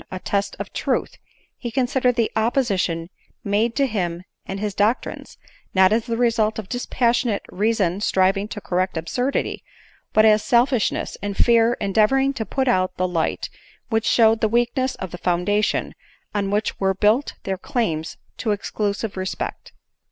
25 a test of truth, he considered the opposition made to him and his doctrines, not as the result of dispassionate rea son striving to correct absurdity, but as selfishness and' fear endeavoring to put out the light which showed the weakness of the foundation on which were built their claims to exclusive respect.